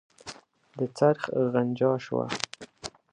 د څرخ غنجا شوه.